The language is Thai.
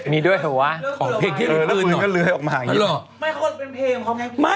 มีด้วยใช่ไหมวะ